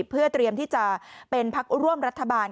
เพื่อเตรียมที่จะเป็นพักร่วมรัฐบาล